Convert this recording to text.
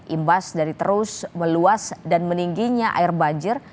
imbas dari terus meluas dan meningginya air banjir